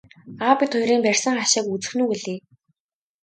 Аав бид хоёрын барьсан хашааг үзэх нь үү гэлээ.